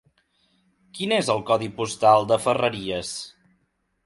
Quin és el codi postal de Ferreries?